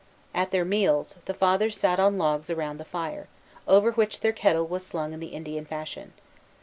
At their meals, the Fathers sat on logs around the fire, over which their kettle was slung in the Indian fashion.